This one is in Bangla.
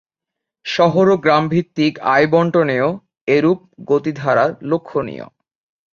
শহর ও গ্রামভিত্তিক আয় বণ্টনেও এরূপ গতিধারা লক্ষণীয়।